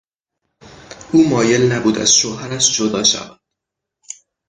او مایل نبود از شوهرش جدا شود.